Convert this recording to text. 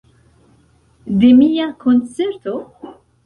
De mia koncerto?